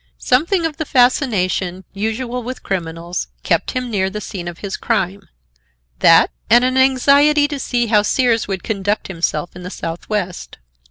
Something of the fascination usual with criminals kept him near the scene of his crime,—that, and an anxiety to see how Sears would conduct himself in the Southwest.